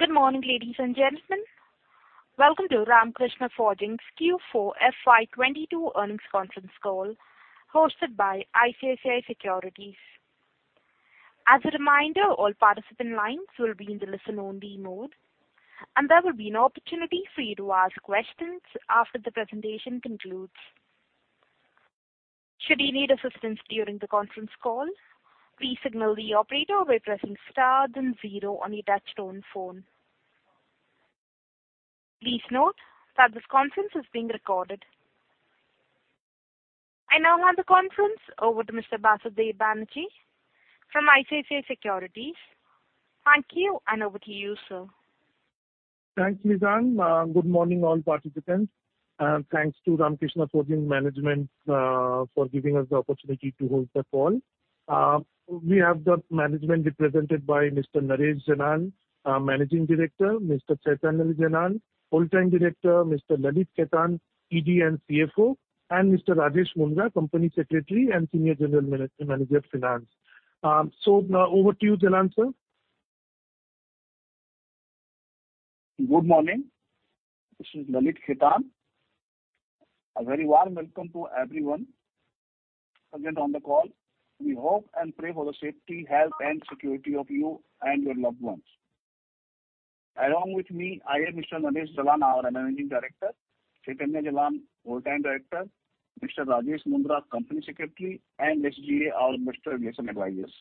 Good morning, ladies and gentlemen. Welcome to Ramkrishna Forgings Q4 FY 2022 earnings conference call hosted by ICICI Securities. As a reminder, all participant lines will be in the listen only mode, and there will be an opportunity for you to ask questions after the presentation concludes. Should you need assistance during the conference call, please signal the operator by pressing star then zero on your touchtone phone. Please note that this conference is being recorded. I now hand the conference over to Mr. Basudeb Banerjee from ICICI Securities. Thank you, and over to you, sir. Thanks, Nizam. Good morning, all participants, and thanks to Ramkrishna Forgings management for giving us the opportunity to host the call. We have the management represented by Mr. Naresh Jalan, our Managing Director, Mr. Chaitanya Jalan, Whole-time Director, Mr. Lalit Khetan, ED and CFO, and Mr. Rajesh Mundhra, Company Secretary and Senior General Manager, Finance. Now over to you, Jalan sir. Good morning. This is Lalit Khetan. A very warm welcome to everyone present on the call. We hope and pray for the safety, health, and security of you and your loved ones. Along with me, I have Mr. Naresh Jalan, our Managing Director, Chaitanya Jalan, Whole-time Director, Mr. Rajesh Mundhra, Company Secretary, and SGA, our investor liaison advisors.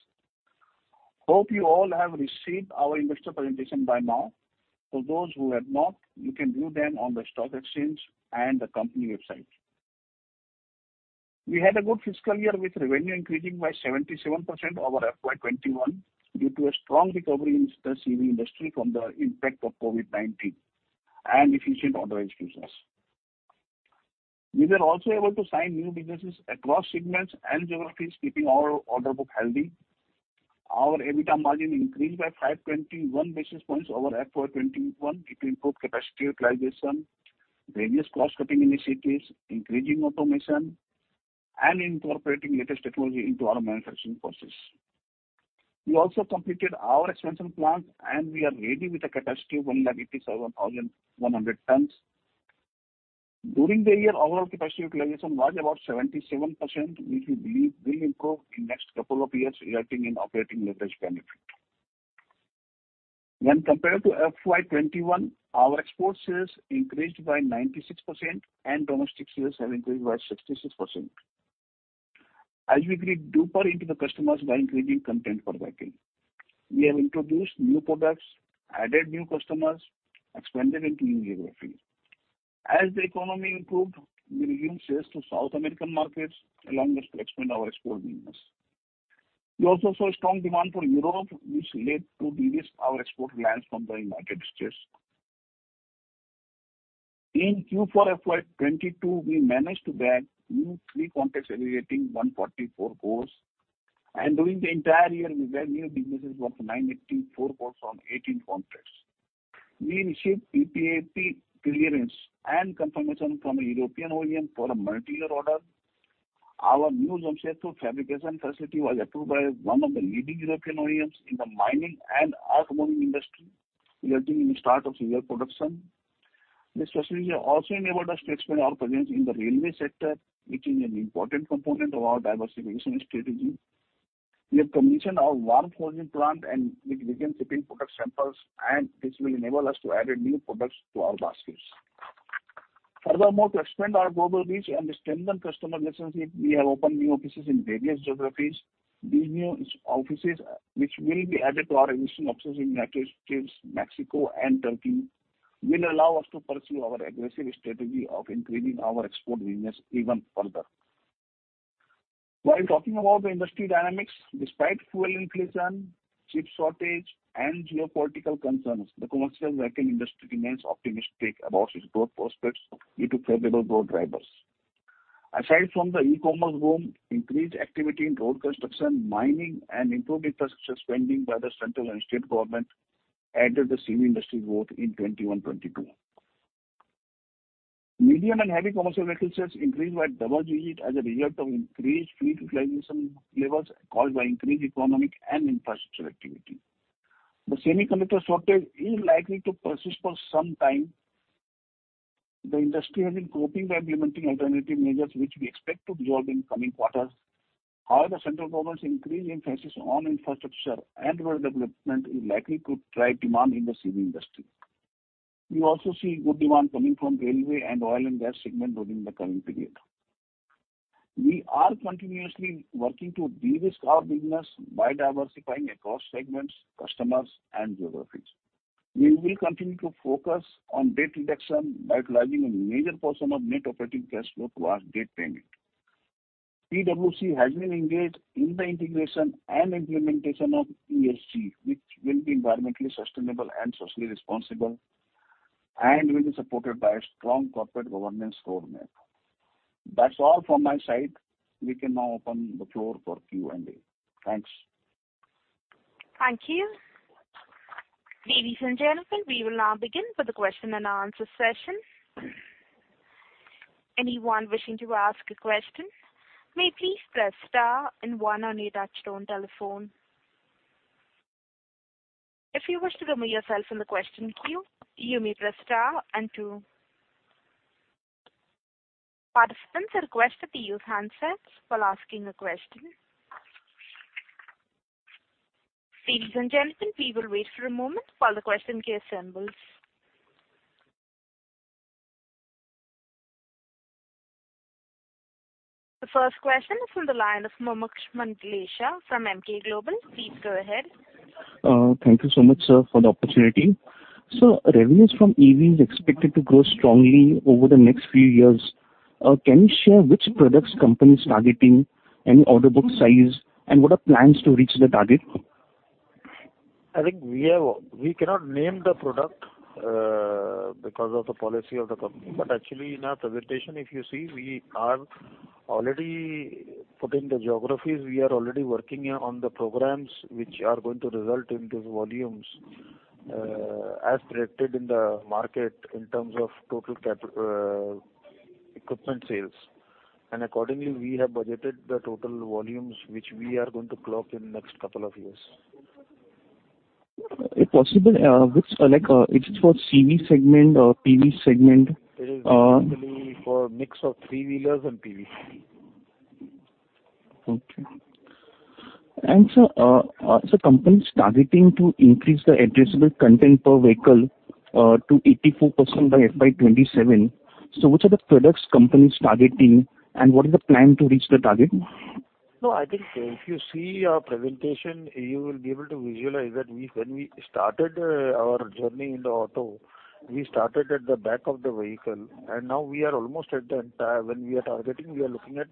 Hope you all have received our investor presentation by now. For those who have not, you can view them on the stock exchange and the company website. We had a good fiscal year with revenue increasing by 77% over FY 2021 due to a strong recovery in the CV industry from the impact of COVID-19 and efficient order executions. We were also able to sign new businesses across segments and geographies, keeping our order book healthy. Our EBITDA margin increased by 521 basis points over FY 2021 due to improved capacity utilization, various cost-cutting initiatives, increasing automation, and incorporating latest technology into our manufacturing process. We also completed our expansion plans, and we are ready with a capacity of 187,100 tons. During the year, our capacity utilization was about 77%, which we believe will improve in next couple of years, resulting in operating leverage benefit. When compared to FY 2021, our export sales increased by 96% and domestic sales have increased by 66%. As we penetrate deeper into the customers by increasing content per vehicle. We have introduced new products, added new customers, expanded into new geographies. As the economy improved, we resumed sales to South American markets, allowing us to expand our export business. We also saw strong demand for Europe, which led to de-risk our export plans from the United States. In Q4 FY 2022, we managed to bag three new contracts aggregating 144 crores, and during the entire year we bagged new businesses worth 984 crores from 18 contracts. We received PPAP clearance and confirmation from a European OEM for a multi-year order. Our new Jamshedpur fabrication facility was approved by one of the leading European OEMs in the mining and automotive industry, resulting in the start of serial production. This facility has also enabled us to expand our presence in the railway sector, which is an important component of our diversification strategy. We have commissioned our warm forging plant and we began shipping product samples, and this will enable us to add new products to our baskets. Furthermore, to expand our global reach and strengthen customer relationship, we have opened new offices in various geographies. These new sales offices, which will be added to our existing offices in United States, Mexico, and Turkey, will allow us to pursue our aggressive strategy of increasing our export business even further. While talking about the industry dynamics, despite fuel inflation, chip shortage, and geopolitical concerns, the commercial vehicle industry remains optimistic about its growth prospects due to favorable growth drivers. Aside from the e-commerce boom, increased activity in road construction, mining, and improved infrastructure spending by the central and state government aided the CV industry growth in 2021, 2022. Medium and heavy commercial vehicle sales increased by double digits as a result of increased fleet utilization levels caused by increased economic and infrastructure activity. The semiconductor shortage is likely to persist for some time. The industry has been coping by implementing alternative measures which we expect to resolve in coming quarters. However, the central government's increased emphasis on infrastructure and rural development is likely to drive demand in the CV industry. We also see good demand coming from railway and oil and gas segment during the coming period. We are continuously working to de-risk our business by diversifying across segments, customers, and geographies. We will continue to focus on debt reduction by utilizing a major portion of net operating cash flow towards debt payment. PwC has been engaged in the integration and implementation of ESG, which will be environmentally sustainable and socially responsible, and will be supported by a strong corporate governance roadmap. That's all from my side. We can now open the floor for Q&A. Thanks. Thank you. Ladies and gentlemen, we will now begin with the question and answer session. Anyone wishing to ask a question may please press star and one on your touchtone telephone. If you wish to remove yourself from the question queue, you may press star and two. Participants are requested to use handsets while asking a question. Ladies and gentlemen, we will wait for a moment while the question queue assembles. The first question is from the line of Mumuksh Mandlesha from Emkay Global. Please go ahead. Thank you so much, sir, for the opportunity. Revenues from EV is expected to grow strongly over the next few years. Can you share which products company is targeting, any order book size, and what are plans to reach the target? I think we cannot name the product because of the policy of the company. Actually in our presentation, if you see, we are already putting the geographies. We are already working on the programs which are going to result into volumes as predicted in the market in terms of total CapEx equipment sales. Accordingly, we have budgeted the total volumes which we are going to clock in next couple of years. If possible, which, like, if it's for CV segment or PV segment? It is basically for mix of three-wheelers and PV. Okay. Sir, company is targeting to increase the addressable content per vehicle to 84% by FY 2027. Which are the products company is targeting, and what is the plan to reach the target? No, I think if you see our presentation, you will be able to visualize that we, when we started our journey in the auto, we started at the back of the vehicle, and now we are almost at the entire vehicle. When we are targeting, we are looking at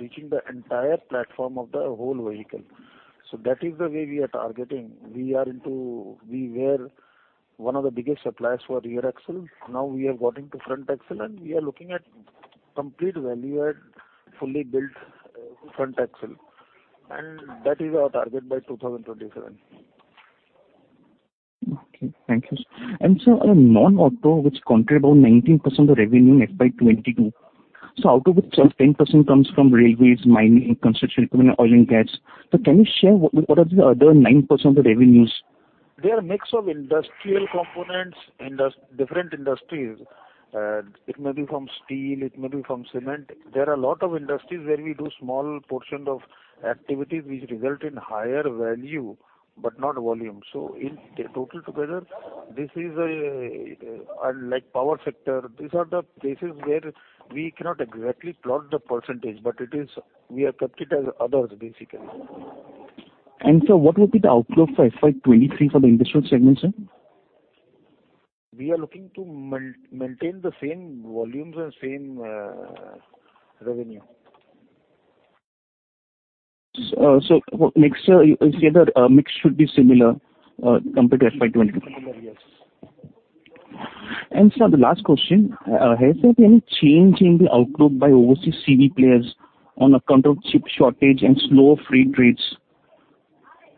reaching the entire platform of the whole vehicle. That is the way we are targeting. We were one of the biggest suppliers for rear axle. Now we have got into front axle, and we are looking at complete value add, fully built front axle. That is our target by 2027. Okay, thank you. Sir, on non-auto, which contribute about 19% of revenue in FY 2022. Out of which 10% comes from railways, mining, construction, oil and gas. Can you share what are the other 9% of the revenues? They are a mix of industrial components, different industries. It may be from steel, it may be from cement. There are a lot of industries where we do a small portion of activities which result in higher value but not volume. In total together, this is unlike power sector, these are the places where we cannot exactly plot the percentage, but it is. We have kept it as others, basically. Sir, what will be the outlook for FY 2023 for the industrial segment, sir? We are looking to maintain the same volumes and same revenue. Next year you say the mix should be similar compared to FY 2022. Similar, yes. Sir, the last question. Has there been any change in the outlook by overseas CV players on account of chip shortage and slow freight rates?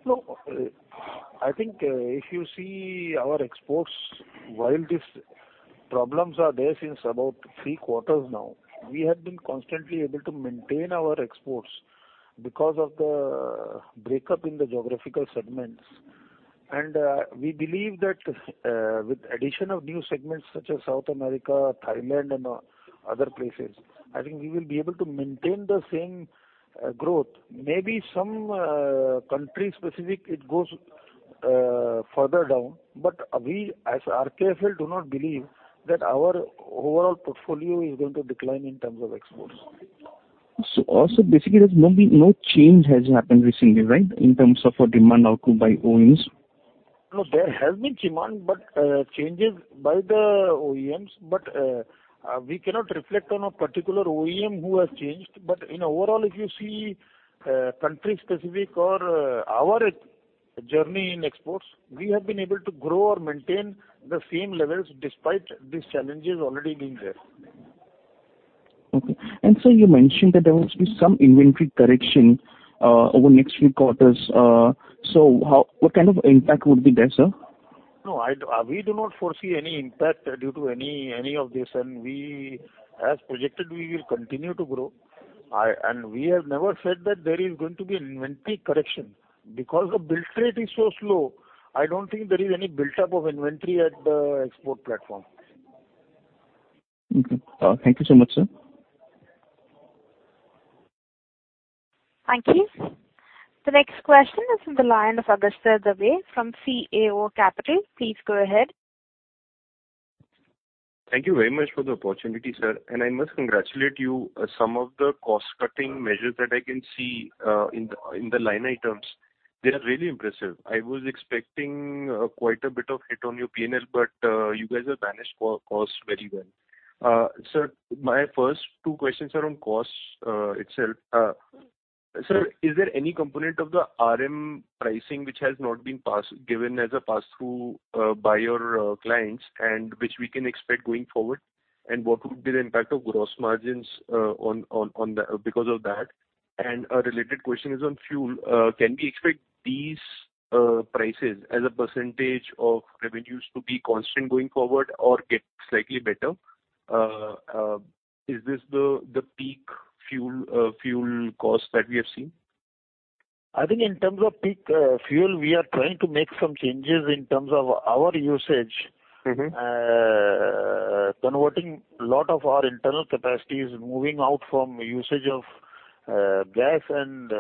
No, I think, if you see our exports, while these problems are there since about three quarters now, we have been constantly able to maintain our exports because of the breakup in the geographical segments. We believe that, with addition of new segments such as South America, Thailand and, other places, I think we will be able to maintain the same, growth. Maybe some, country specific, it goes, further down, but we as RKFL do not believe that our overall portfolio is going to decline in terms of exports. Also basically there's no change has happened recently, right, in terms of a demand outlook by OEMs? No, there has been demand, but changes by the OEMs. We cannot reflect on a particular OEM who has changed. Overall, if you see, country specific or our journey in exports, we have been able to grow or maintain the same levels despite these challenges already being there. Okay. Sir, you mentioned that there will be some inventory correction over next few quarters. What kind of impact would be there, sir? No, I don't. We do not foresee any impact due to any of this. We, as projected, we will continue to grow. We have never said that there is going to be inventory correction. Because the build rate is so slow, I don't think there is any buildup of inventory at the export platform. Okay. Thank you so much, sir. Thank you. The next question is from the line of Agastya Dave from CAO Capital. Please go ahead. Thank you very much for the opportunity, sir. I must congratulate you. Some of the cost-cutting measures that I can see in the line items, they are really impressive. I was expecting quite a bit of hit on your P&L, but you guys have managed the costs very well. Sir, my first two questions are on costs themselves. Sir, is there any component of the RM pricing which has not been given as a pass-through by your clients and which we can expect going forward? And what would be the impact on gross margins because of that? And a related question is on fuel. Can we expect these prices as a percentage of revenues to be constant going forward or get slightly better? Is this the peak fuel cost that we have seen? I think in terms of peak fuel, we are trying to make some changes in terms of our usage. Converting a lot of our internal capacities, moving out from usage of gas and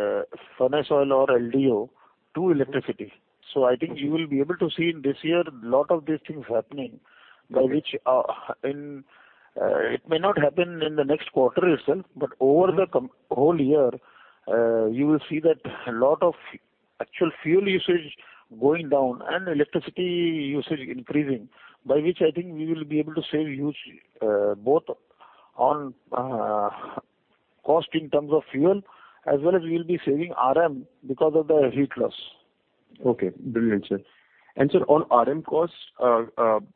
furnace oil or LDO to electricity. I think you will be able to see in this year a lot of these things happening by which it may not happen in the next quarter itself, but over the whole year, you will see that a lot of actual fuel usage going down and electricity usage increasing, by which I think we will be able to save huge both on cost in terms of fuel as well as we'll be saving RM because of the heat loss. Okay. Brilliant, sir. Sir, on RM costs,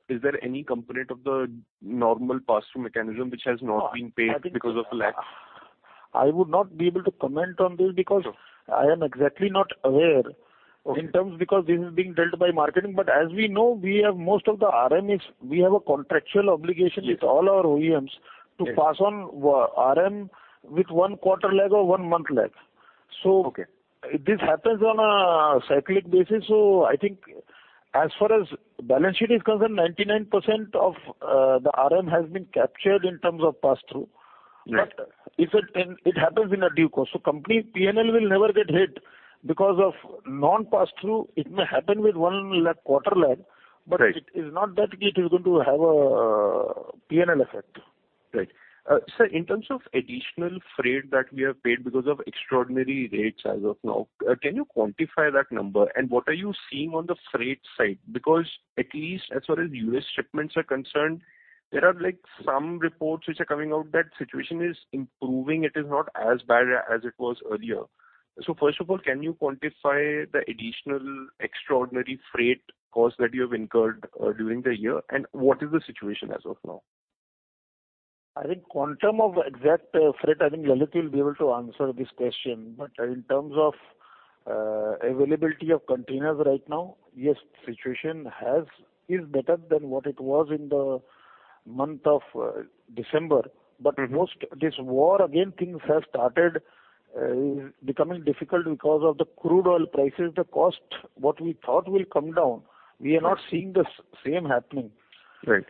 is there any component of the normal pass-through mechanism which has not been paid because of the lag? I would not be able to comment on this because I am not exactly aware of the terms because this is being dealt by marketing, but as we know, we have most of the RM, a contractual obligation with all our OEMs to pass on RM with one quarter lag or one month lag. Okay. This happens on a cyclic basis, so I think as far as balance sheet is concerned, 99% of the RM has been captured in terms of pass-through. Yes. If it happens in due course, so company P&L will never get hit because of non-pass-through. It may happen with one lag, quarter lag. Right. It is not that it is going to have a P&L effect. Right. Sir, in terms of additional freight that we have paid because of extraordinary rates as of now, can you quantify that number? And what are you seeing on the freight side? Because at least as far as U.S. shipments are concerned, there are like some reports which are coming out that situation is improving. It is not as bad as it was earlier. First of all, can you quantify the additional extraordinary freight costs that you have incurred during the year? And what is the situation as of now? I think quantum of exact freight, I think Lalit will be able to answer this question. In terms of availability of containers right now, yes, situation is better than what it was in the month of December. Post this war again, things have started becoming difficult because of the crude oil prices. The cost, what we thought will come down, we are not seeing the same happening. Right.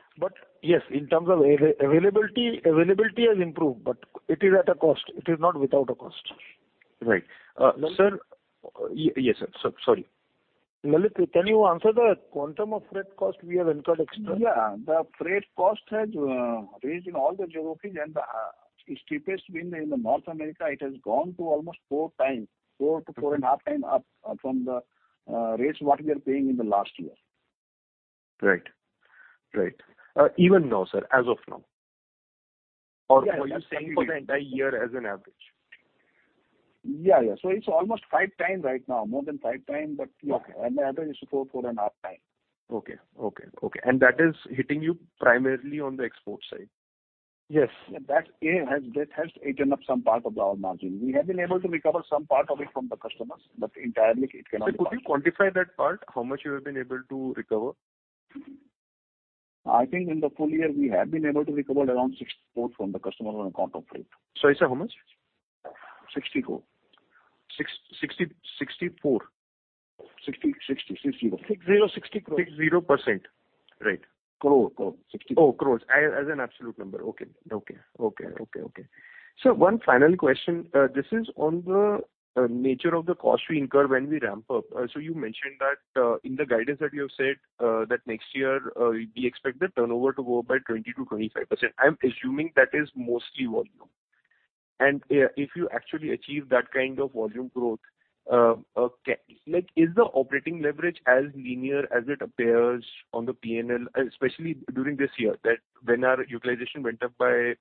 Yes, in terms of availability has improved, but it is at a cost. It is not without a cost. Right. Sir. Yes, sir. Sorry. Mr. Lalit Khetan, can you answer the quantum of freight cost we have incurred extra? The freight cost has risen in all the geographies, and it's steepest in North America. It has gone to almost 4x, 4x-4.5x up from the rates what we are paying in the last year. Right. Even now, sir, as of now? Or are you saying for the entire year as an average? Yeah, yeah. It's almost five times right now, more than 5x. On the average, it's 4.5x. Okay. That is hitting you primarily on the export side? Yes. That has eaten up some part of our margin. We have been able to recover some part of it from the customers, but entirely it cannot. Sir, could you quantify that part, how much you have been able to recover? I think in the full year we have been able to recover around 6% from the customer on account of freight. Sorry, sir, how much? INR 60 crore. INR 64 crore? INR60 crore, INR 60 crore. INR 60 crore. 60%. Right. Crore. 60- Oh, crores. As an absolute number. Okay. Sir, one final question. This is on the nature of the cost we incur when we ramp up. So you mentioned that in the guidance that you have said, that next year we expect the turnover to go up by 20%-25%. I'm assuming that is mostly volume. If you actually achieve that kind of volume growth, can—like, is the operating leverage as linear as it appears on the P&L, especially during this year when our utilization went up by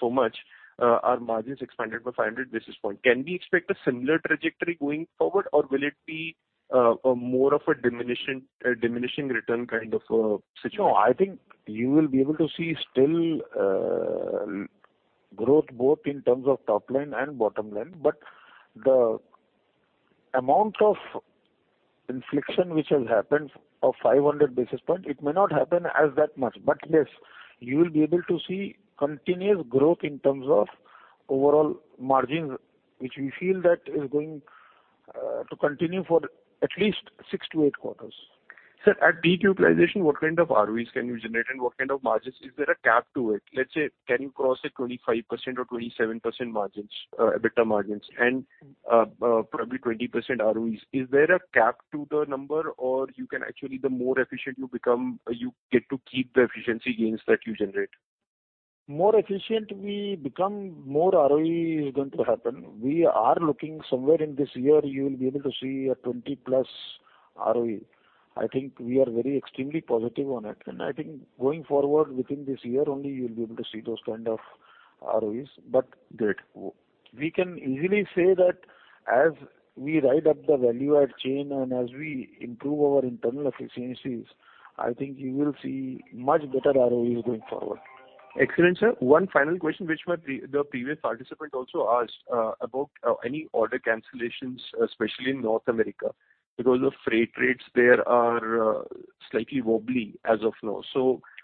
so much, our margins expanded by 500 basis points. Can we expect a similar trajectory going forward, or will it be more of a diminution, a diminishing return kind of situation? No, I think you will be able to see still growth both in terms of top line and bottom line, but the amount of inflection which has happened of 500 basis points, it may not happen as that much, but yes, you will be able to see continuous growth in terms of overall margins, which we feel that is going to continue for at least six to eight quarters. Sir, at peak utilization, what kind of ROEs can you generate, and what kind of margins? Is there a cap to it? Let's say, can you cross a 25% or 27% margins, EBITDA margins and, probably 20% ROEs? Is there a cap to the number, or you can actually, the more efficient you become, you get to keep the efficiency gains that you generate? More efficient we become, more ROE is going to happen. We are looking somewhere in this year, you will be able to see a 20+ ROE. I think we are very extremely positive on it. I think going forward within this year only you'll be able to see those kind of ROEs. Great. We can easily say that as we ride up the value add chain and as we improve our internal efficiencies, I think you will see much better ROEs going forward. Excellent, sir. One final question, which the previous participant also asked, about any order cancellations, especially in North America, because the freight rates there are slightly wobbly as of now.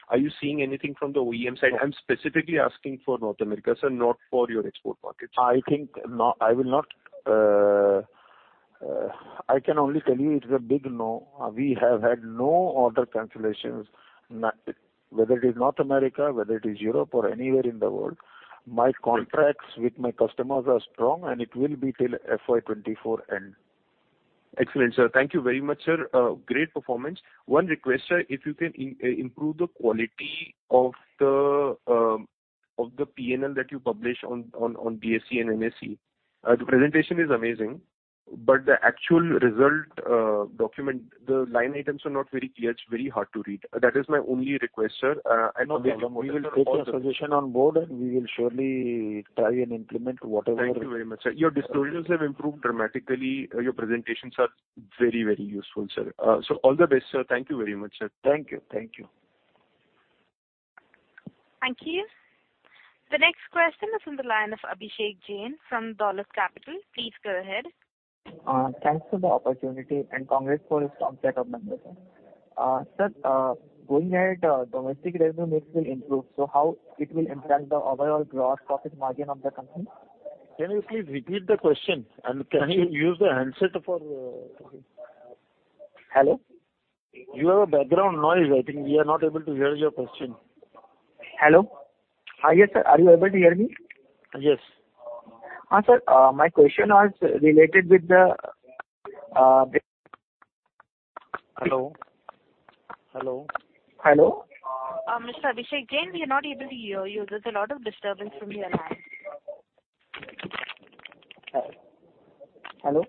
Are you seeing anything from the OEM side? I'm specifically asking for North America, sir, not for your export markets. I will not, I can only tell you it's a big no. We have had no order cancellations, whether it is North America, whether it is Europe or anywhere in the world. My contracts with my customers are strong, and it will be till FY 2024 end. Excellent, sir. Thank you very much, sir. Great performance. One request, sir. If you can improve the quality of the P&L that you publish on BSE and NSE. The presentation is amazing, but the actual result document, the line items are not very clear. It's very hard to read. That is my only request, sir. All the best, sir. We will take your suggestion on board, and we will surely try and implement whatever. Thank you very much, sir. Your disclosures have improved dramatically. Your presentations are very, very useful, sir. All the best, sir. Thank you very much, sir. Thank you. Thank you. Thank you. The next question is from the line of Abhishek Jain from Dolat Capital. Please go ahead. Thanks for the opportunity, and congrats for a strong set of numbers, sir. Sir, going ahead, domestic revenue mix will improve, so how it will impact the overall gross profit margin of the company? Can you please repeat the question, and can you use the handset for. Hello. You have a background noise. I think we are not able to hear your question. Hello. Yes, sir. Are you able to hear me? Yes. Sir, my question was related with the. Hello? Hello? Hello. Mr. Abhishek Jain, we are not able to hear you. There's a lot of disturbance from your line. Hello?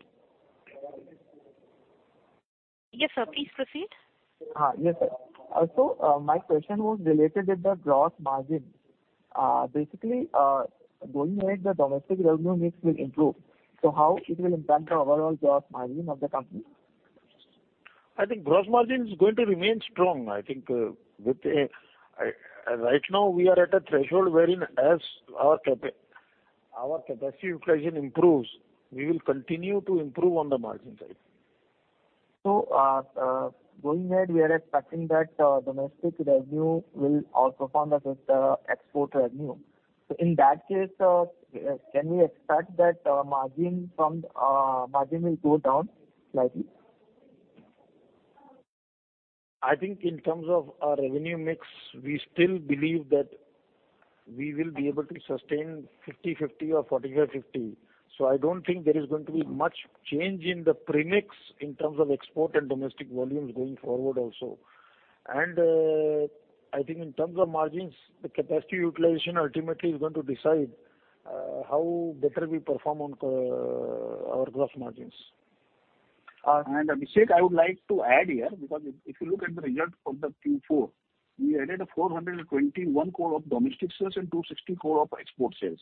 Yes, sir. Please proceed. Yes, sir. My question was related with the gross margin. Basically, going ahead, the domestic revenue mix will improve, so how it will impact the overall gross margin of the company? I think gross margin is going to remain strong. I think right now we are at a threshold wherein as our capacity utilization improves, we will continue to improve on the margin side. Going ahead, we are expecting that domestic revenue will outperform the export revenue. In that case, can we expect that margin will go down slightly? I think in terms of our revenue mix, we still believe that we will be able to sustain 50/50 or 45/50. I don't think there is going to be much change in the mix in terms of export and domestic volumes going forward also. I think in terms of margins, the capacity utilization ultimately is going to decide how better we perform on our gross margins. Abhishek, I would like to add here, because if you look at the result from the Q4, we added 421 crore of domestic sales and 260 crore of export sales.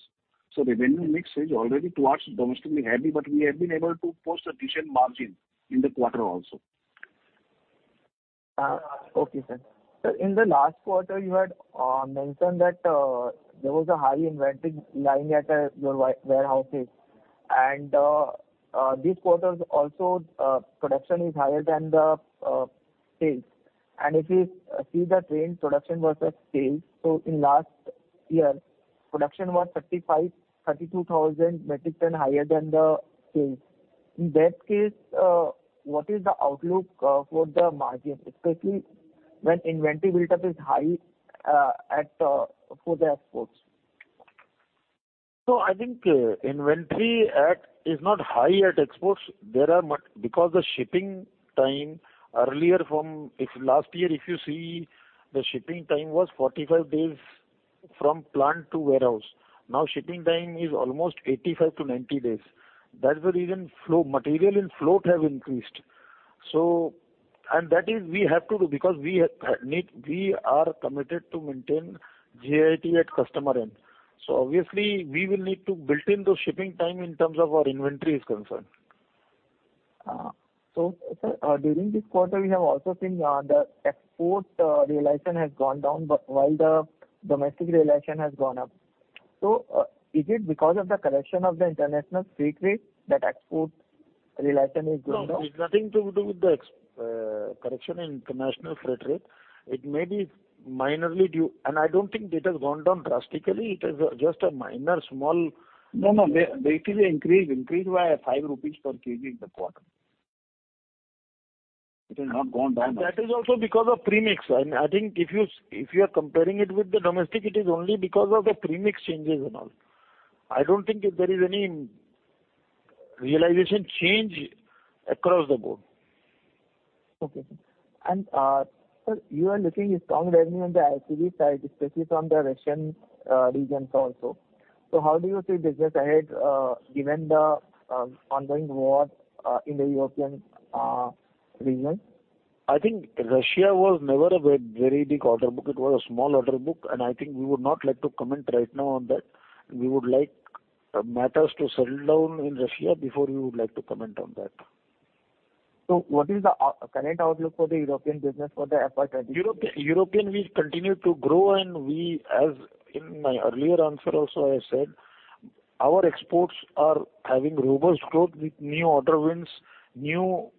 Revenue mix is already towards domestically heavy, but we have been able to post a decent margin in the quarter also. Okay, sir. Sir, in the last quarter, you had mentioned that there was a high inventory lying at your warehouses. This quarter's also production is higher than the sales. If you see the trend, production versus sales, in last year, production was 35, 32,000 metric ton higher than the sales. In that case, what is the outlook for the margin, especially when inventory buildup is high for the exports? I think inventory is not high at exports. Because the shipping time earlier. If last year you see, the shipping time was 45 days from plant to warehouse. Now shipping time is almost 85 days-90 days. That's the reason material inflow have increased. And that is we have to do because we need we are committed to maintain JIT at customer end. Obviously we will need to build in those shipping time in terms of our inventory is concerned. Sir, during this quarter we have also seen the export realization has gone down, but while the domestic realization has gone up. Is it because of the correction of the international freight rate that export realization is going down? No, it's nothing to do with the correction in international freight rate. It may be minorly due, and I don't think it has gone down drastically. It is just a minor small. No, no. Basically increase by 5 rupees per kg in the quarter. It has not gone down much. That is also because of premix. I think if you are comparing it with the domestic, it is only because of the premix changes and all. I don't think there is any realization change across the board. Okay, sir. Sir, you are looking at a strong revenue on the CV side, especially from the Russian regions also. How do you see business ahead, given the ongoing war in the European region? I think Russia was never a very big order book. It was a small order book, and I think we would not like to comment right now on that. We would like matters to settle down in Russia before we would like to comment on that. What is the current outlook for the European business for the FY 2022? In Europe, we've continued to grow, and we, as in my earlier answer also, I said, our exports are having robust growth with new order wins, new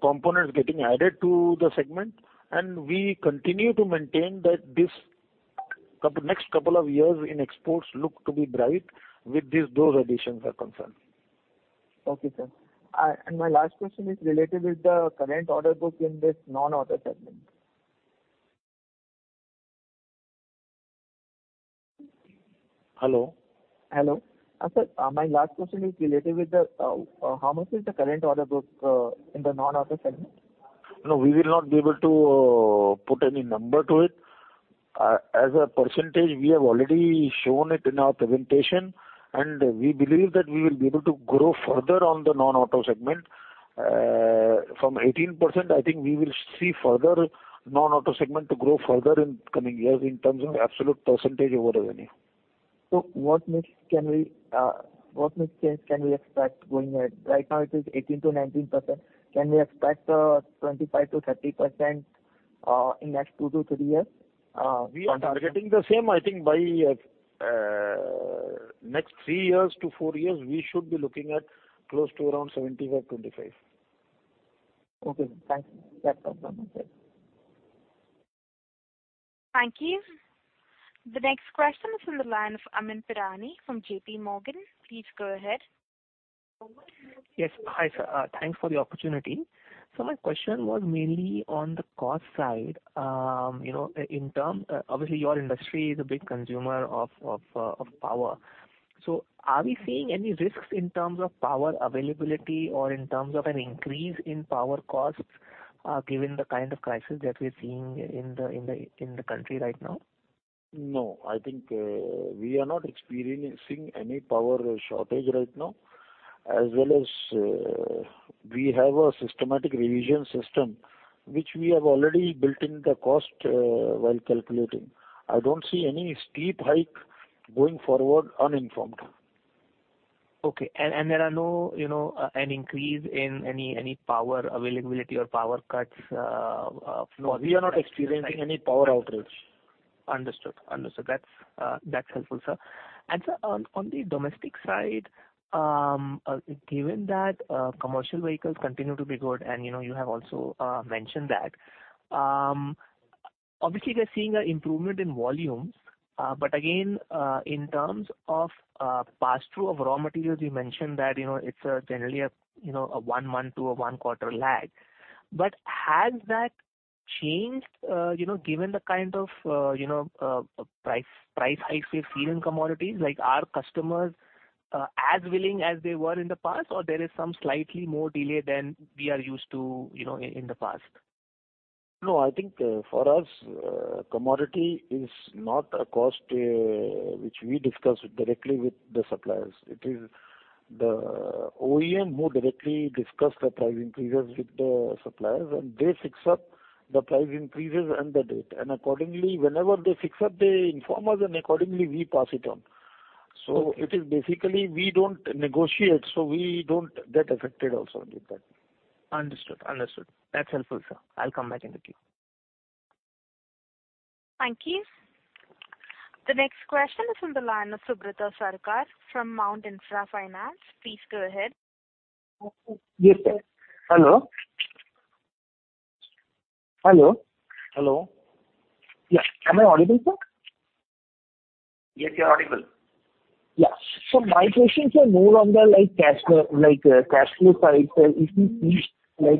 components getting added to the segment. We continue to maintain that next couple of years in exports look to be bright with those additions. Okay, sir. My last question is related with the current order book in this non-auto segment. Hello? Hello. Sir, my last question is how much is the current order book in the non-auto segment? No, we will not be able to put any number to it. As a percentage, we have already shown it in our presentation, and we believe that we will be able to grow further on the non-auto segment. From 18%, I think we will see further non-auto segment to grow further in coming years in terms of absolute percentage over the revenue. What mix change can we expect going ahead? Right now it is 18%-19%. Can we expect 25%-30% in next 2 years-3 years on target? We are targeting the same. I think by next 3 years to 4 years, we should be looking at close to around 75%, 25%. Okay, thanks. That's all from my side. Thank you. The next question is from the line of Amyn Pirani from J.P.Morgan. Please go ahead. Yes. Hi, sir. Thanks for the opportunity. My question was mainly on the cost side. You know, in terms, obviously your industry is a big consumer of power. Are we seeing any risks in terms of power availability or in terms of an increase in power costs, given the kind of crisis that we're seeing in the country right now? No. I think, we are not experiencing any power shortage right now, as well as, we have a systematic revision system, which we have already built in the cost, while calculating. I don't see any steep hike going forward uninformed. Okay. There are no, you know, an increase in any power availability or power cuts, flowing. No. We are not experiencing any power outage. Understood. That's helpful, sir. Sir, on the domestic side, given that commercial vehicles continue to be good, you know, you have also mentioned that obviously we are seeing an improvement in volumes. Again, in terms of pass-through of raw materials, you mentioned that, you know, it's generally a one month to a one quarter lag. Has that changed, you know, given the kind of price hikes we've seen in commodities? Like, are customers as willing as they were in the past, or there is some slightly more delay than we are used to, you know, in the past? No, I think, for us, commodity is not a cost, which we discuss directly with the suppliers. It is the OEM who directly discusses the price increases with the suppliers, and they fix up the price increases and the date. Accordingly, whenever they fix up, they inform us, and accordingly we pass it on. It is basically we don't negotiate, so we don't get affected also with that. Understood. That's helpful, sir. I'll come back in the queue. Thank you. The next question is from the line of Subrata Sarkar from Mount Intra Finance. Please go ahead. Yes, sir. Hello? Yeah. Am I audible, sir? Yes, you're audible. Yeah. My questions are more on the like cash flow, like, cash flow side. If we see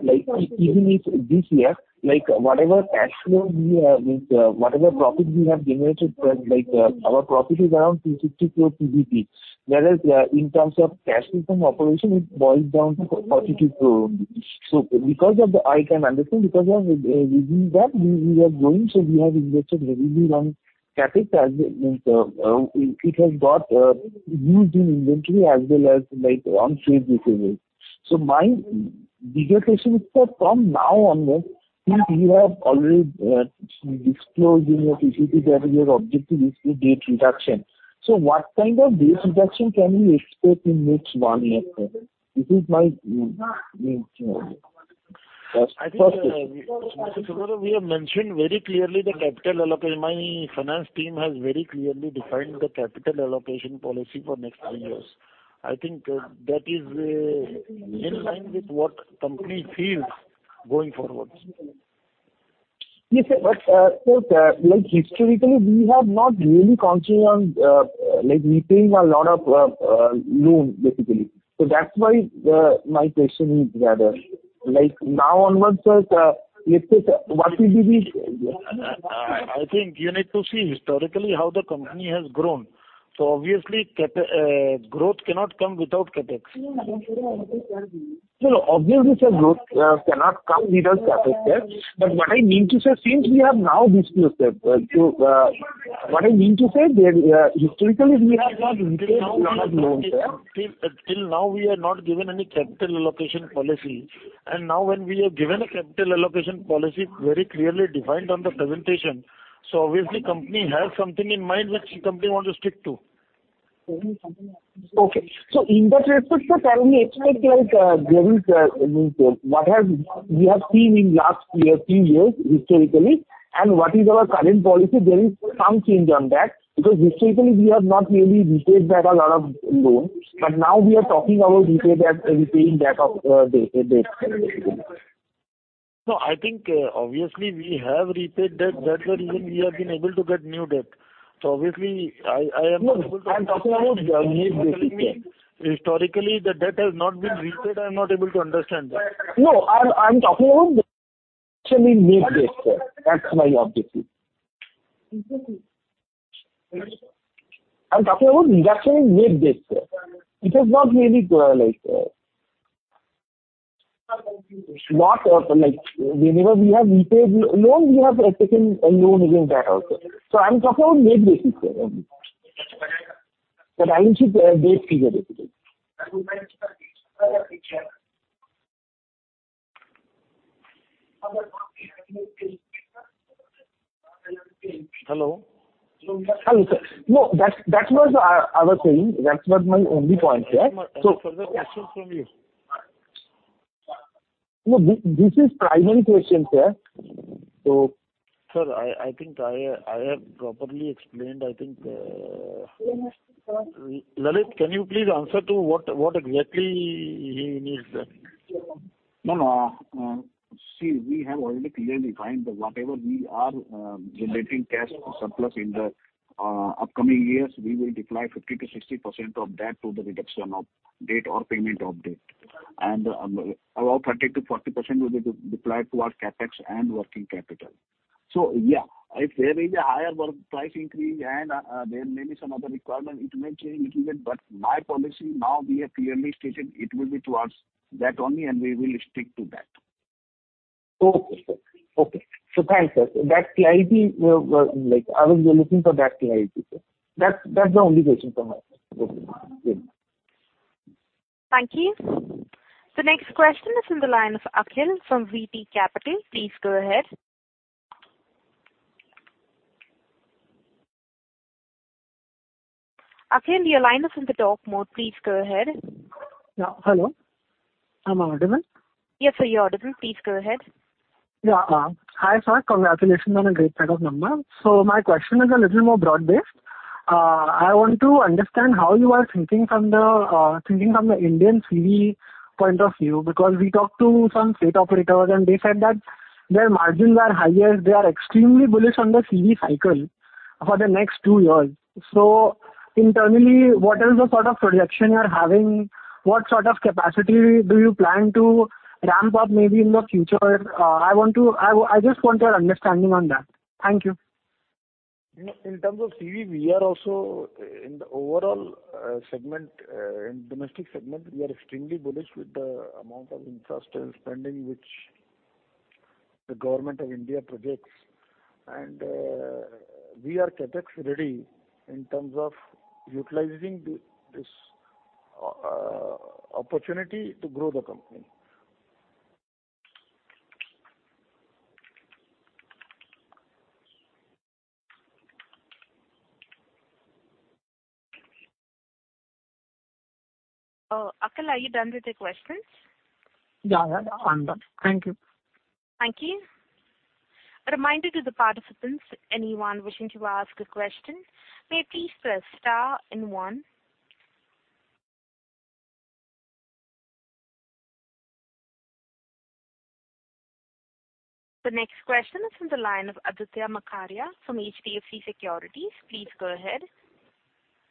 like, even if this year, like whatever cash flow we have, means, whatever profit we have generated, but like, our profit is around 250 crore PPT. That is, in terms of cash from operation, it boils down to 42 crore only. I can understand because of using that we are growing, we have invested heavily on CapEx as well, means, it has got used in inventory as well as like on trade receivables. My bigger question is, sir, from now onwards, since you have already disclosed in your PPT that your objective is to debt reduction. What kind of debt reduction can we expect in next one year, sir? This is my main query. First question. I think, we, Mr. Subrata Sarkar, we have mentioned very clearly the capital allocation. My finance team has very clearly defined the capital allocation policy for next three years. I think, that is, in line with what company feels going forwards. Yes, sir. Sir, like historically, we have not really concentrated on, like repaying a lot of, loans basically. That's why, my question is rather. Like now onwards, sir, let's say. I think you need to see historically how the company has grown. Obviously, growth cannot come without CapEx. No, obviously sir, growth cannot come without CapEx, sir. What I mean to say, since we have now disclosed that, historically we have not repaid a lot of loans, sir. Till now we have not given any capital allocation policy. Now when we have given a capital allocation policy very clearly defined on the presentation, obviously company has something in mind which company want to stick to. Okay. In that respect, sir, can we expect like, there is, I mean, we have seen in last year, few years historically and what is our current policy, there is some change on that because historically we have not really repaid back a lot of loans, but now we are talking about repay back, repaying back of, debt? No, I think, obviously we have repaid debt. That's the reason we have been able to get new debt. Obviously I am not able to. No, I'm talking about your net debt, sir. Historically, the debt has not been repaid. I'm not able to understand that. No, I'm talking about actually net debt, sir. That's my obviously. I'm talking about reduction in net debt, sir. It has not really, like, not like whenever we have repaid loans, we have taken a loan against that also. I'm talking about net debt, sir. I will check debt figure with you. Hello? Hello, sir. No, that's what I was saying. That's not my only point here. Further questions from you. No, this is primary question, sir. Sir, I think I have properly explained. I think, Lalit, can you please answer to what exactly he needs. No. See, we have already clearly defined that whatever we are generating cash surplus in the upcoming years, we will deploy 50%-60% of that to the reduction of debt or payment of debt. About 30%-40% will be deployed to our CapEx and working capital. Yeah, if there is a higher price increase and there may be some other requirement, it may change little bit. My policy now we have clearly stated it will be towards debt only, and we will stick to that. Okay, sir. Thanks, sir. That clarity was like I was looking for that clarity, sir. That's the only question from my side. Thank you. Thank you. The next question is on the line of Akhil from VP Capital. Please go ahead. Akhil, your line is on the talk mode. Please go ahead. Yeah. Hello. I'm audible? Yes, sir, you're audible. Please go ahead. Yeah. Hi, sir. Congratulations on a great set of numbers. My question is a little more broad-based. I want to understand how you are thinking from the Indian CV point of view, because we talked to some fleet operators and they said that their margins are higher. They are extremely bullish on the CV cycle for the next two years. Internally, what is the sort of projection you're having? What sort of capacity do you plan to ramp up maybe in the future? I just want your understanding on that. Thank you. In terms of CV, we are also in the overall segment in domestic segment, we are extremely bullish with the amount of infrastructure spending which the Government of India projects and we are CapEx ready in terms of utilizing this opportunity to grow the company. Akhil, are you done with your questions? Yeah, yeah. I'm done. Thank you. Thank you. A reminder to the participants, anyone wishing to ask a question, may please press star and one. The next question is on the line of Aditya Makharia from HDFC Securities. Please go ahead.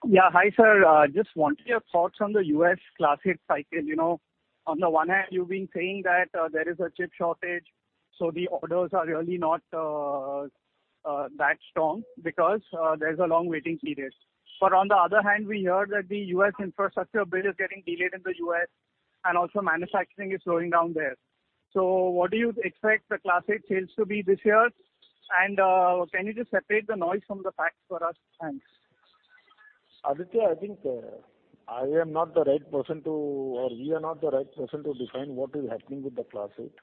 Yeah. Hi, sir. Just wanted your thoughts on the U.S. Class 8 cycle. You know, on the one hand, you've been saying that there is a chip shortage, so the orders are really not that strong because there's a long waiting period. On the other hand, we heard that the U.S. infrastructure bill is getting delayed in the U.S. and also manufacturing is slowing down there. What do you expect the Class 8 sales to be this year? And can you just separate the noise from the facts for us? Thanks. Aditya, I think, I am not the right person or we are not the right person to define what is happening with the Class eight.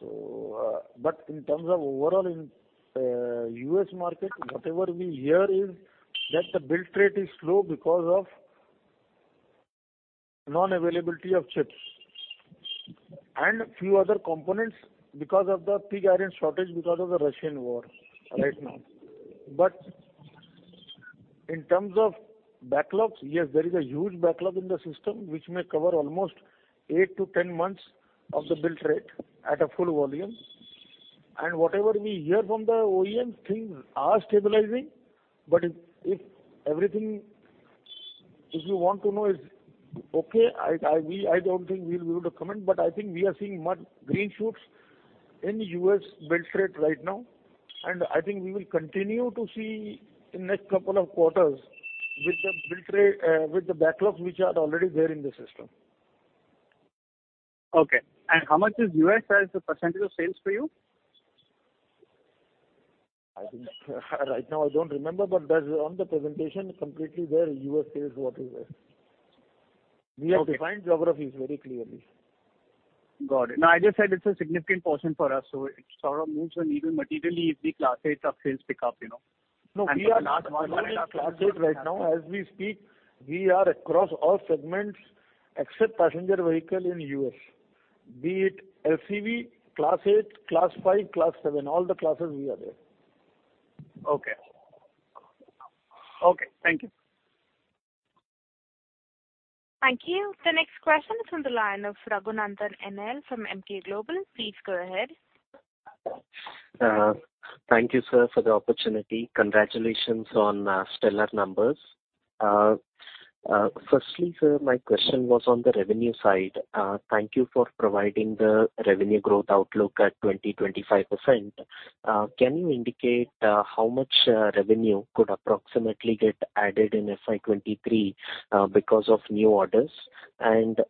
In terms of overall in the U.S. market, whatever we hear is that the build rate is slow because of non-availability of chips and few other components because of the pig iron shortage, because of the Russian war right now. In terms of backlogs, yes, there is a huge backlog in the system which may cover almost 8 months-10 months of the build rate at a full volume. Whatever we hear from the OEM, things are stabilizing. If everything is okay, if you want to know, I don't think we'll be able to comment, but I think we are seeing mild green shoots in U.S. build rate right now, and I think we will continue to see in next couple of quarters with the build rate, with the backlogs which are already there in the system. Okay. How much is U.S. as a percentage of sales for you? I think right now I don't remember, but that's on the presentation completely there, U.S. sales, what is there. We have defined geographies very clearly. Got it. Now, I just said it's a significant portion for us, so it sort of moves the needle materially if the Class 8 sales pick up, you know. No, we are not only in Class 8 right now. As we speak, we are across all segments except passenger vehicle in US. Be it LCV, Class 8, Class 5, Class 7, all the classes we are there. Okay. Okay, thank you. Thank you. The next question is on the line of Raghunandan NL from Emkay Global. Please go ahead. Thank you, sir, for the opportunity. Congratulations on stellar numbers. Firstly, sir, my question was on the revenue side. Thank you for providing the revenue growth outlook at 20%-25%. Can you indicate how much revenue could approximately get added in FY 2023 because of new orders?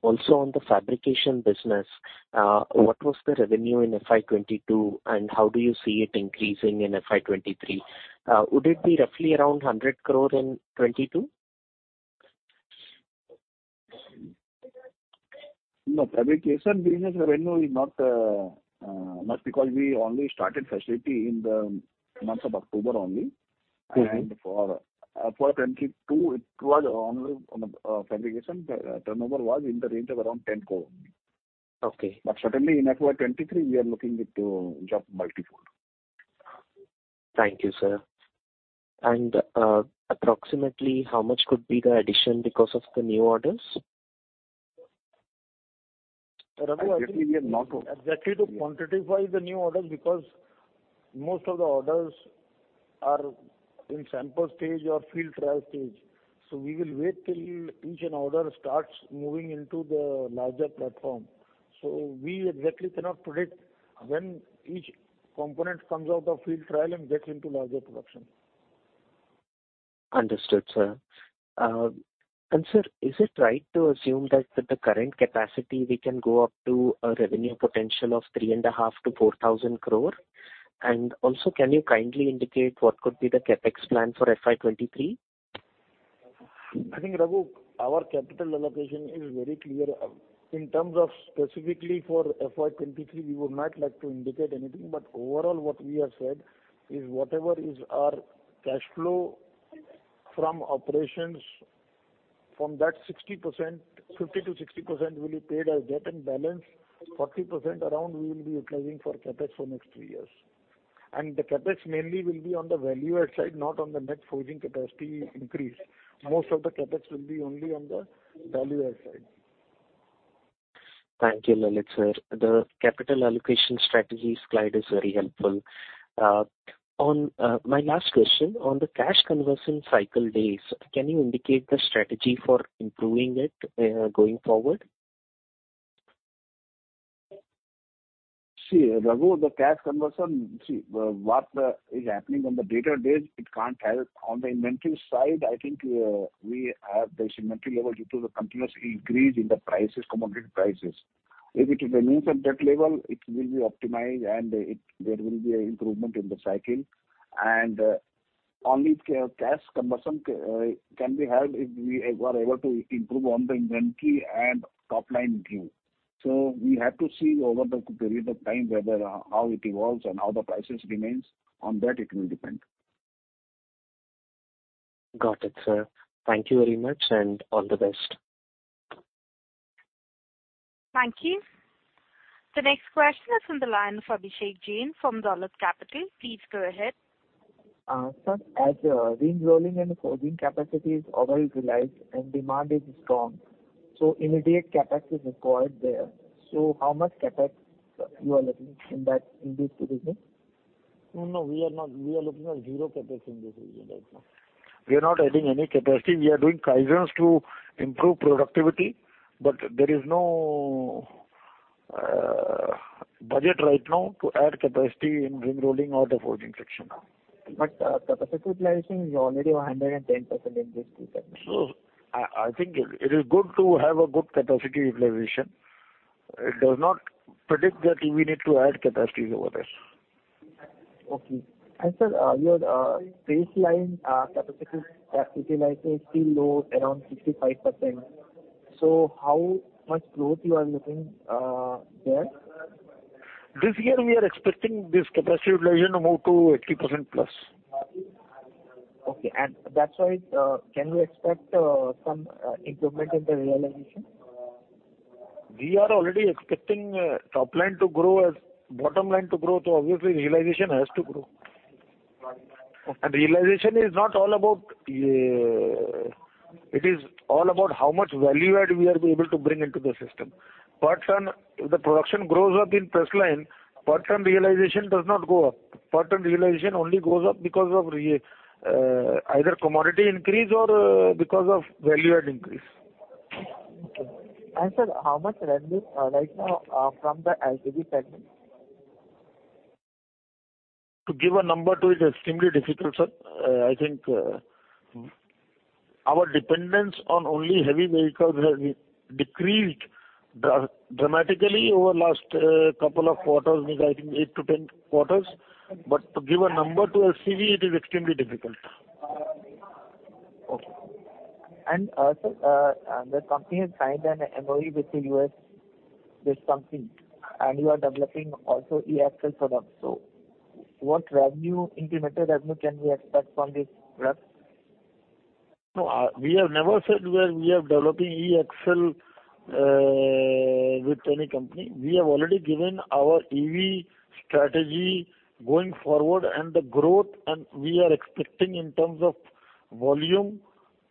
Also on the fabrication business, what was the revenue in FY 2022, and how do you see it increasing in FY 2023? Would it be roughly around 100 crore in 2022? No, fabrication business revenue is not because we only started facility in the months of October only. Mm-hmm. For FY 2022, it was only on the fabrication. The turnover was in the range of around 10 crore only. Okay. Certainly in FY 2023, we are looking it to jump multifold. Thank you, sir. Approximately how much could be the addition because of the new orders? Raghu, I think. Exactly, we have not. Exactly, to quantify the new orders because most of the orders are in sample stage or field trial stage, so we will wait till each order starts moving into the larger platform. We exactly cannot predict when each component comes out of field trial and gets into larger production. Understood, sir. Sir, is it right to assume that with the current capacity we can go up to a revenue potential of 3,500 crore-4,000 crore? Can you kindly indicate what could be the CapEx plan for FY 2023? I think, Raghu, our capital allocation is very clear. In terms of specifically for FY 2023, we would not like to indicate anything, but overall what we have said is whatever is our cash flow from operations, from that 60%, 50%-60% will be paid as debt and balance. 40% around we will be utilizing for CapEx for next three years. The CapEx mainly will be on the value add side, not on the net forging capacity increase. Most of the CapEx will be only on the value add side. Thank you, Lalit, sir. The capital allocation strategies slide is very helpful. On my last question. On the cash conversion cycle days, can you indicate the strategy for improving it, going forward? See, Raghu, the cash conversion. See what is happening on the day-to-day, it can't help. On the inventory side, I think, we have this inventory level due to the continuous increase in the prices, commodity prices. If it remains at that level, it will be optimized and there will be an improvement in the cycle. Only cash conversion can be helped if we are able to improve on the inventory and top line view. We have to see over the period of time whether how it evolves and how the prices remains. On that it will depend. Got it, sir. Thank you very much, and all the best. Thank you. The next question is on the line for Abhishek Jain from Dolat Capital. Please go ahead. Sir, as ring rolling and forging capacity is overutilized and demand is strong, immediate CapEx is required there. How much CapEx you are looking in that, in this business? No, we are not. We are looking at zero CapEx in this region right now. We are not adding any capacity. We are doing Kaizens to improve productivity, but there is no budget right now to add capacity in ring rolling or the forging section. Capacity utilization is already 110% in this segment. I think it is good to have a good capacity utilization. It does not predict that we need to add capacities over there. Okay. Sir, your baseline capacity utilization is still low, around 65%. How much growth you are looking there? This year we are expecting this capacity utilization to move to 80%+. Okay. That's why can we expect some improvement in the realization? We are already expecting top line to grow and bottom line to grow, so obviously realization has to grow. Okay. Realization is not all about. It is all about how much value add we are able to bring into the system. Parts and the production grows up in press line, part and realization does not go up. Part and realization only goes up because of either commodity increase or because of value add increase. Okay. Sir, how much revenue, right now, from the LCV segment? To give a number to it extremely difficult, sir. I think our dependence on only heavy vehicle has decreased dramatically over last couple of quarters. I think 8-10 quarters. To give a number to EV, it is extremely difficult. Sir, the company has signed an MOU with the U.S. company, and you are developing also e-axle product. What revenue, incremental revenue can we expect from this product? No, we have never said where we are developing e-axle with any company. We have already given our EV strategy going forward and the growth, and we are expecting in terms of volume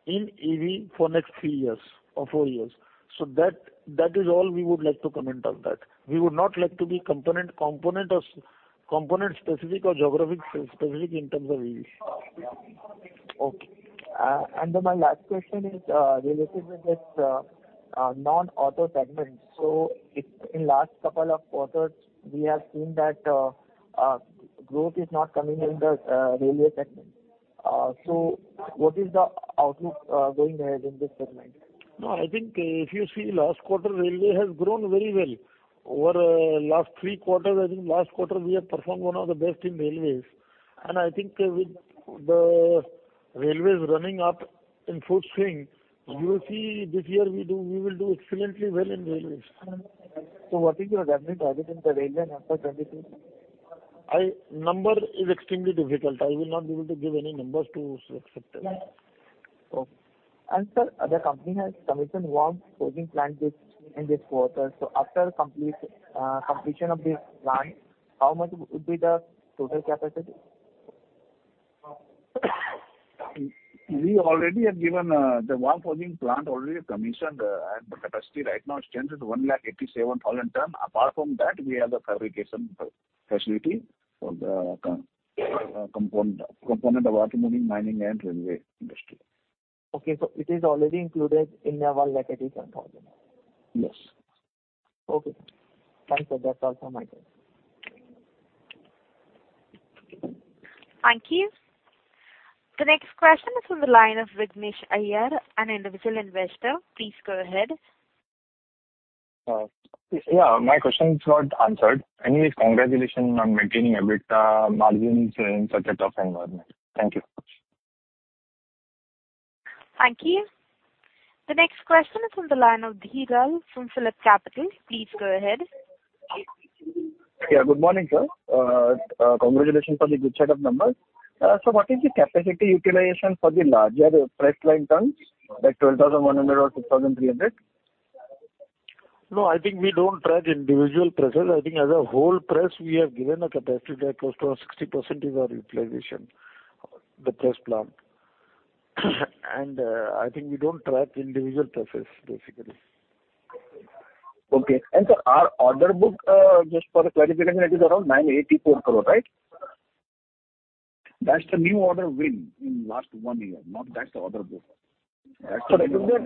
in EV for next three years or four years. That is all we would like to comment on that. We would not like to be component specific or geographic specific in terms of EV. Okay. My last question is related with this non-auto segment. In last couple of quarters, we have seen that growth is not coming in the railway segment. What is the outlook going ahead in this segment? No, I think if you see last quarter railway has grown very well over last three quarters. I think last quarter we have performed one of the best in railways, and I think with the railways running up in full swing, you will see this year we will do excellently well in railways. What is your revenue target in the railway in FY 2022? Number is extremely difficult. I will not be able to give any numbers to this sector. Okay. Sir, the company has commissioned one forging plant this in this quarter. After completion of this plant, how much would be the total capacity? We already have given the one forging plant already commissioned, and the capacity right now stands at 187,000 tons. Apart from that, we have a fabrication facility for the component of automotive, mining and railway industry. Okay, it is already included in your 187,000. Yes. Okay. Thank you. That's all from my side. Thank you. The next question is from the line of Vignesh Iyer, an individual investor. Please go ahead. Yeah, my question is not answered. Anyways, congratulations on maintaining EBITDA margins in such a tough environment. Thank you. Thank you. The next question is from the line of Dhiral from PhillipCapital. Please go ahead. Yeah, good morning, sir. Congratulations on the good set of numbers. What is the capacity utilization for the larger press line tons, like 12,100 tons or 6,300 tons? No, I think we don't track individual presses. I think as a whole press, we have given a capacity that close to our 60% is our utilization, the press plant. I think we don't track individual presses, basically. Okay. Sir, our order book, just for clarification, it is around 984 crore, right? That's the new order win in last one year. Not that's the order book. That would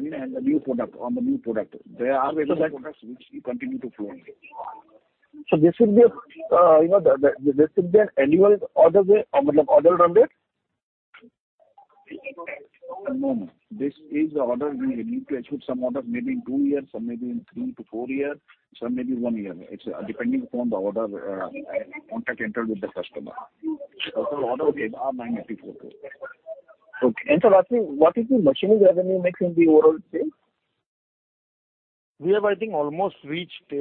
be. That's the new product, on the new product. There are many products which we continue to flow into. This will be, you know, annual orders or order run rate? No, no. This is the order we need to execute some orders maybe in two years, some maybe in three to four years, some maybe in one year. It's depending upon the order, contract entered with the customer. Total orders are INR 984 crore. Okay. Sir, lastly, what is the machining revenue mix in the overall sales? We have, I think, almost reached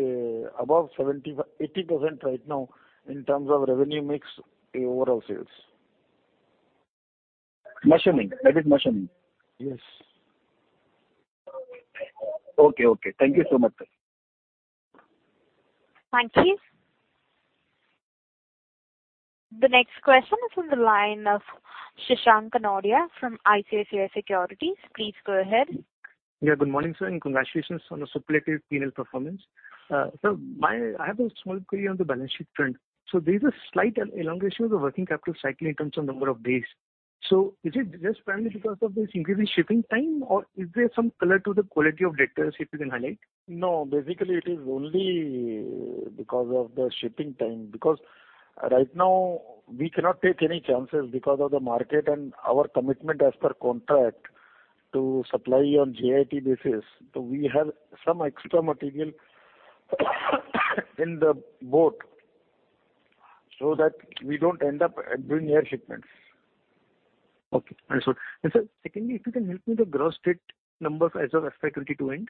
above 75%-80% right now in terms of revenue mix in overall sales. Machining. That is machining. Yes. Okay. Thank you so much, sir. Thank you. The next question is from the line of Shashank Kanodia from ICICI Securities. Please go ahead. Yeah, good morning, sir, and congratulations on the superlative P&L performance. Sir, I have a small query on the balance sheet trend. There's a slight elongation of the working capital cycle in terms of number of days. Is it just primarily because of this increasing shipping time, or is there some color to the quality of debtors if you can highlight? No, basically it is only because of the shipping time, because right now we cannot take any chances because of the market and our commitment as per contract to supply on JIT basis. We have some extra material in the port so that we don't end up doing air shipments. Okay, understood. Sir, secondly, if you can help me the gross debt numbers as of FY 2022 end.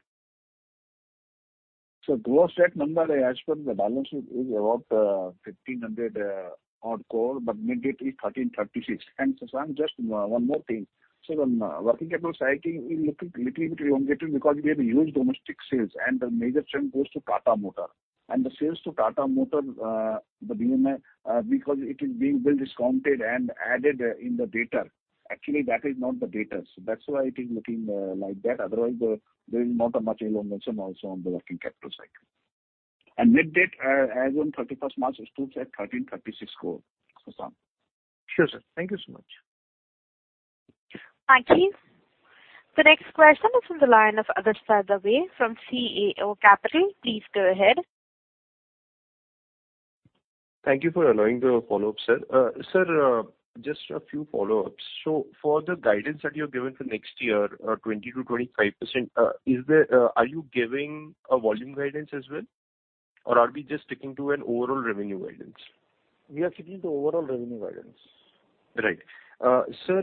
Gross debt number as per the balance sheet is about 1,500-odd crore, but month-end is 1,336 crore. Shashank just one more thing. The working capital cycle is little bit elongated because we have huge domestic sales and the major chunk goes to Tata Motors. The sales to Tata Motors, the DMI, because it is being well discounted and added in the data. Actually, that is not the data. That's why it is looking like that. Otherwise, there is not much elongation also on the working capital cycle. Month-end, as on 31st March, it stood at 1,336 crore, Shashank. Sure, sir. Thank you so much. Thank you. The next question is from the line of Agastya Dave from CAO Capital. Please go ahead. Thank you for allowing the follow-up, sir. Sir, just a few follow-ups. For the guidance that you've given for next year, 20%-25%, are you giving a volume guidance as well? Or are we just sticking to an overall revenue guidance? We are sticking to overall revenue guidance. Right. Sir,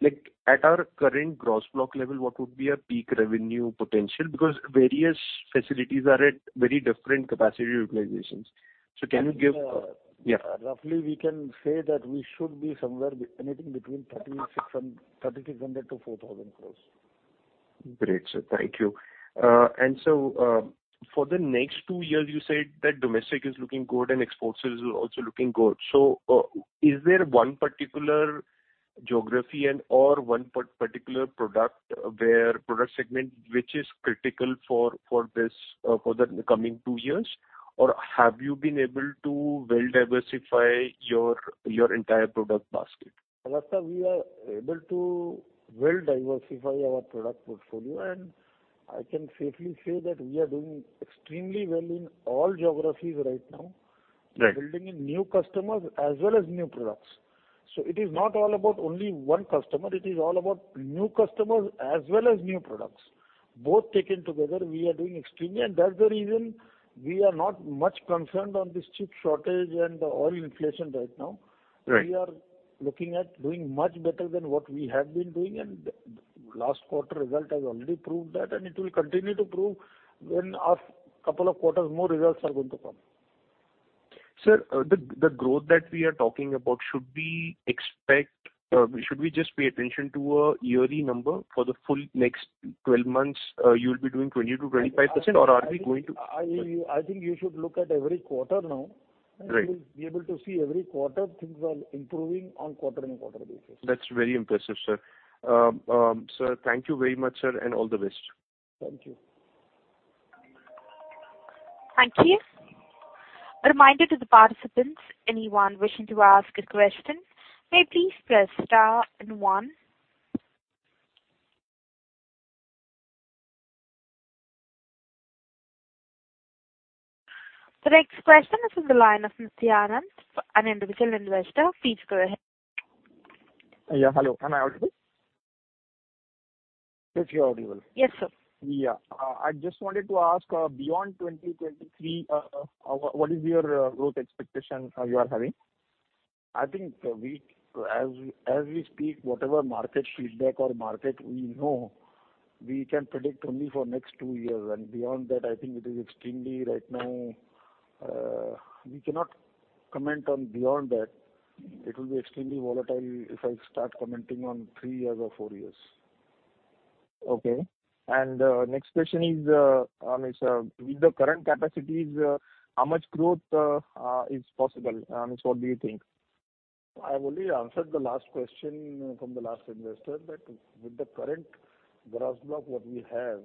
like, at our current gross block level, what would be our peak revenue potential? Because various facilities are at very different capacity utilizations. Can you give Yeah. Roughly, we can say that we should be somewhere anywhere between 3,600 crores-4,000 crores. Great, sir. Thank you. For the next two years you said that domestic is looking good and exports is also looking good. Is there one particular geography and/or one particular product or product segment which is critical for this, for the coming two years? Or have you been able to well diversify your entire product basket? Adarsh Dave, we are able to well diversify our product portfolio, and I can safely say that we are doing extremely well in all geographies right now. Right. Building in new customers as well as new products. It is not all about only one customer, it is all about new customers as well as new products. Both taken together, we are doing extremely, and that's the reason we are not much concerned on this chip shortage and oil inflation right now. Right. We are looking at doing much better than what we have been doing, and the last quarter result has already proved that, and it will continue to prove when our couple of quarters more results are going to come. Sir, the growth that we are talking about, should we just pay attention to a yearly number for the full next 12 months, you'll be doing 20%-25%? Or are we going to- I think you should look at every quarter now. Right. You will be able to see every quarter things are improving on quarter-on-quarter basis. That's very impressive, sir. Sir, thank you very much, sir, and all the best. Thank you. Thank you. A reminder to the participants, anyone wishing to ask a question, may please press star and one. The next question is on the line of Nithyanand, an individual investor. Please go ahead. Yeah. Hello. Am I audible? Yes, you're audible. Yes, sir. Yeah. I just wanted to ask, beyond 2023, what is your growth expectation you are having? As we speak, whatever market feedback or market we know, we can predict only for next two years, and beyond that, I think it is extremely difficult right now, we cannot comment on beyond that. It will be extremely volatile if I start commenting on three years or four years. Okay. Next question is with the current capacities, how much growth is possible? What do you think? I've already answered the last question from the last investor that with the current gross block what we have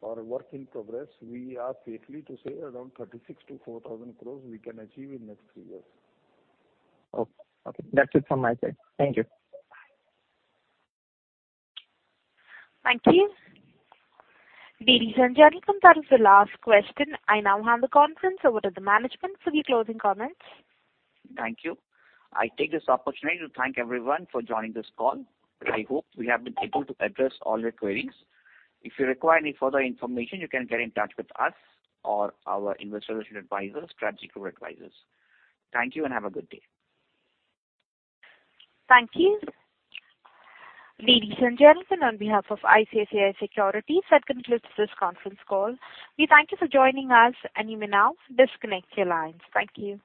or work in progress, we are safe to say around 36 crore-4,000 crore we can achieve in next three years. Okay. That's it from my side. Thank you. Thank you. Ladies and gentlemen, that is the last question. I now hand the conference over to the management for the closing comments. Thank you. I take this opportunity to thank everyone for joining this call. I hope we have been able to address all your queries. If you require any further information, you can get in touch with us or our investor relation advisors, Strategic Growth Advisors. Thank you and have a good day. Thank you. Ladies and gentlemen, on behalf of ICICI Securities, that concludes this conference call. We thank you for joining us and you may now disconnect your lines. Thank you.